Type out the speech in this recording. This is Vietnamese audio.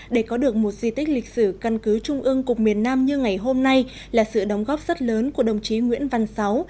để có được một di tích lịch sử căn cứ trung ương cục miền nam như ngày hôm nay là sự đóng góp rất lớn của đồng chí nguyễn văn sáu